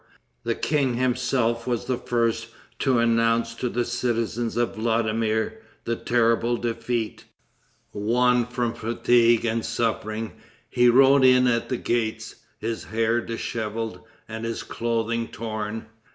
The king himself was the first to announce to the citizens of Vladimir the terrible defeat. Wan from fatigue and suffering, he rode in at the gates, his hair disheveled, and his clothing torn.